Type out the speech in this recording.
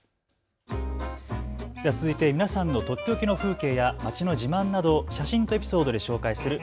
では続いて皆さんのとっておきの風景や街の自慢などを写真とエピソードで紹介する＃